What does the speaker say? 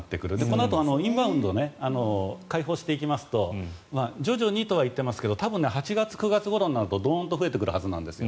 このあとインバウンドを開放していきますと徐々にとは言ってますが８月、９月ごろになるとドンと増えてくるはずなんです。